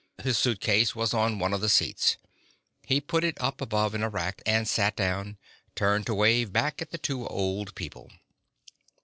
His suitcase was on one of the seats. He put it up above in the rack, and sat down, turned to wave back at the two old people.